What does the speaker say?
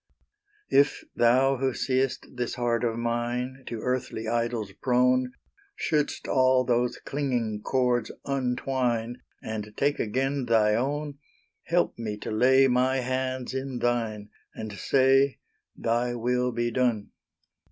If Thou who seest this heart of mine To earthly idols prone, Should'st all those clinging cords untwine, And take again Thy own, Help me to lay my hands in thine, And say Thy will be done!